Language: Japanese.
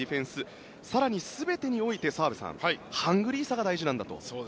澤部さん、更に全てにおいてハングリーさが大事なんだと。